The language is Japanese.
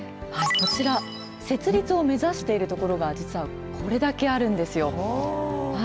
こちら、設立を目指している所が、実はこれだけあるんですよ。